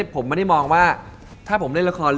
ผมไม่ได้มองว่าถ้าผมเล่นละคร